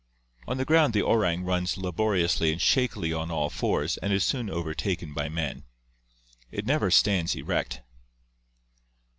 On the ground the orang runs la boriously and shakily on all fours and is soon overtaken by man. It never stands erect.